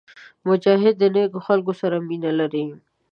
مجاهد د نیکو خلکو سره مینه لري.